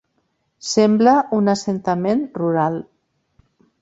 Sembla un assentament rural.